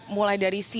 mulai dari sini